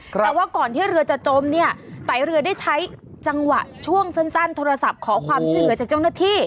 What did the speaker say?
แต่ว่าก่อนที่เรือจะจมเนี่ยไตเรือได้ใช้จังหวะช่วงสั้นโทรศัพท์ขอความช่วยเหลือจากเจ้าหน้าที่